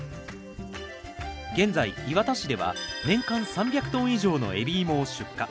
現在磐田市では年間３００トン以上の海老芋を出荷。